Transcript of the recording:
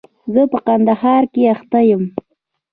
زه په کندهار کښي اخته يم.